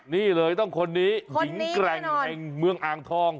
นี่เลยต้องคนนี้หญิงแกร่งแห่งเมืองอ่างทอง